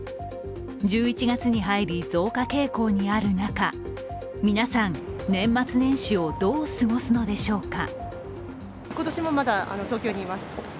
１１月に入り、増加傾向にある中、皆さん、年末年始をどう過ごすのでしょうか。